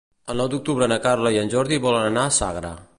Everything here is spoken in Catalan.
El nou d'octubre na Carla i en Jordi volen anar a Sagra.